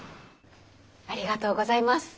ありがとうございます。